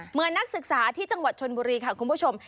นักศึกษาที่จังหวัดชนบุรีค่ะคุณผู้ชม